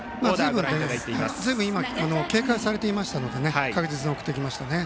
随分今、警戒されていましたので確実に送ってきましたね。